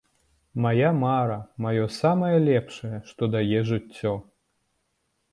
Мая мара, маё самае лепшае, што дае жыццё.